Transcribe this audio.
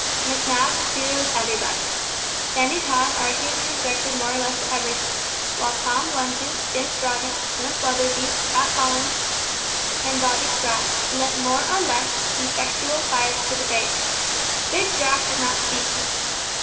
Macnab disputed with everybody. Sandy Tod argued and objected more or less to everything, while Tom Blunter, Jim Scroggins, Limp Letherby, Fat Collins, and Bobby Sprat, lent more or less effectual fire to the debate. Big Jack did not speak much.